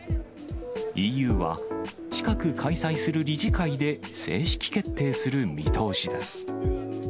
ＥＵは、近く開催する理事会で、正式決定する見通しです。